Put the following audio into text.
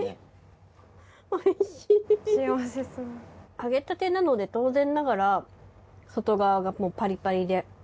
揚げたてなので当然ながら外側がパリパリで。